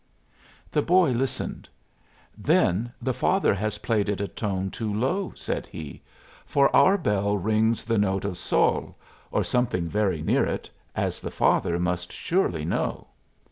The boy listened. "Then the father has played it a tone too low," said he; "for our bell rings the note of sol, or something very near it, as the father must surely know."